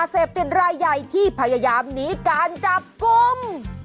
เสพเต็มร่ายใยที่พยายามหนีการจับกุม